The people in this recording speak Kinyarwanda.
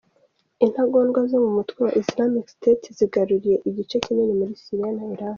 Intagondwa zo mu mutwe wa Islamic state zigaruriye igice kinini muri Syria na Irak.